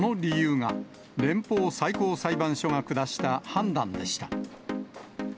その理由が、連邦最高裁判所が下した判断でした。